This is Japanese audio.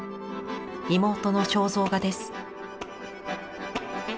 妹の肖像画です。